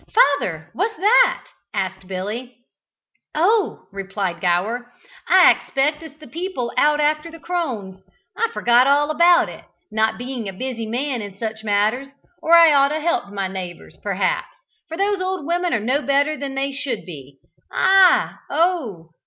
"Father, what's that?" asked Billy. "Oh!" replied Gower, "I expect it's the people out after the crones. I forgot all about it, not being a busy man in such matters, or I ought to have helped my neighbours, perhaps, for those old women are no better than they should be ah! oh!